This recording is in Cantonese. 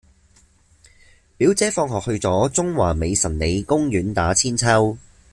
表姐放學去左中環美臣里公園打韆鞦